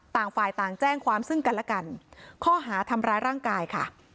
ต่างฝ่ายต่างแจ้งความซึ่งกันและกันข้อหาทำร้ายร่างกายค่ะ